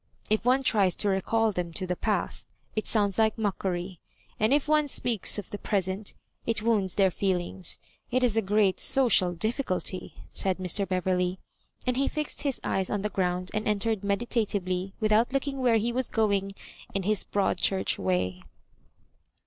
If one tries to recall them to the past, it sounds like mockery— and if one speaks of the present, it wounds their feelmgs. It is a great social difficulty," said Mr. Beverley; and he fixed his eyes on the ground and entered meditatively, without looking where he was going, in his Broad Church way.